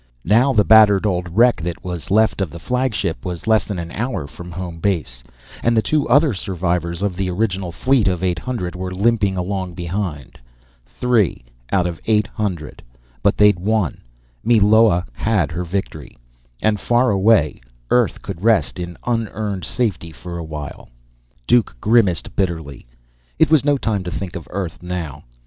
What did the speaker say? Now the battered old wreck that was left of the flagship was less than an hour from home base, and the two other survivors of the original fleet of eight hundred were limping along behind. Three out of eight hundred but they'd won! Meloa had her victory. And far away, Earth could rest in unearned safety for a while. Duke grimaced bitterly. It was no time to think of Earth now.